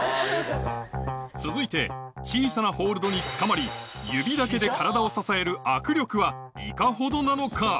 続いて小さなホールドにつかまり指だけで体を支える握力はいかほどなのか？